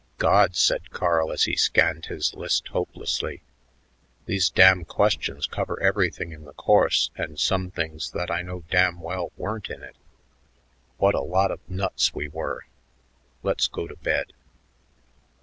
"God!" said Carl as he scanned his list hopelessly, "these damn questions cover everything in the course and some things that I know damn well weren't in it. What a lot of nuts we were. Let's go to bed."